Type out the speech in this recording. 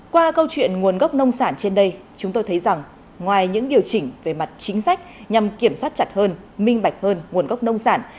qua câu chuyện nguồn gốc nông sản trên đây chúng tôi thấy rằng ngoài những điều chỉnh về mặt chính sách nhằm kiểm soát chặt hơn minh bạch hơn nguồn gốc nông sản